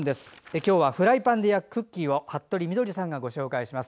今日はフライパンで焼くクッキーを服部みどりさんがご紹介します。